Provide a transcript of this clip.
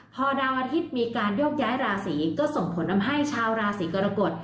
พอดาวอาทิตย์มีการโยกย้ายราศีก็ส่งผลทำให้ชาวราศีกรกฎ